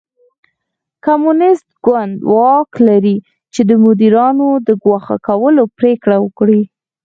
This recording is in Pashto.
کمونېست ګوند واک لري چې د مدیرانو د ګوښه کولو پرېکړه وکړي.